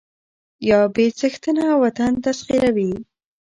يا بې څښنته وطن تسخيروي